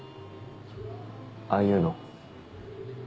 ああいうの？